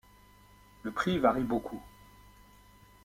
Le prix varie beaucoup.